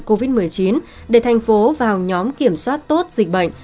covid một mươi chín để thành phố vào nhóm kiểm soát tốt dịch bệnh